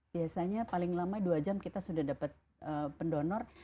biasanya paling lama dua jam kita sudah dapat pendonor